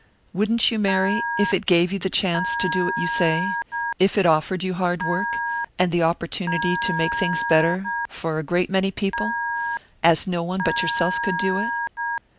"Wouldn't you marry, if it gave you the chance to do what you say if it offered you hard work, and the opportunity to make things better...for a great many people...as no one but yourself could do it?"